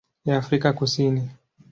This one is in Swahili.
ya Afrika Kusini.